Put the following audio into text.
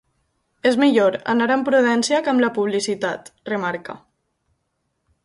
És millor anar amb prudència que amb la publicitat, remarca.